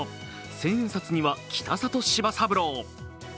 千円札には北里柴三郎。